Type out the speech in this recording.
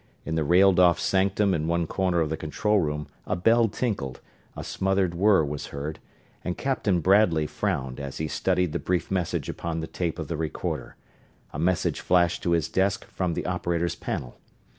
In the railed off sanctum in one corner of the control room a bell tinkled, a smothered whirr was heard, and Captain Bradley frowned as he studied the brief message upon the tape of the recorder a message flashed to his desk from the operator's panel.